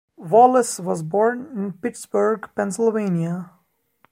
Wallace was born in Pittsburgh, Pennsylvania.